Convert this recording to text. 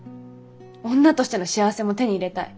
女としての幸せも手に入れたい。